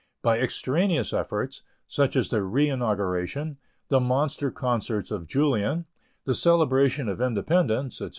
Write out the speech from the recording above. By extraneous efforts, such as the Re inauguration, the Monster Concerts of Jullien, the Celebration of Independence, etc.